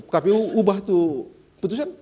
kpu ubah itu putusan